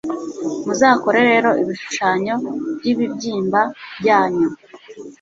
muzakore rero ibishushanyo by'ibibyimba byanyu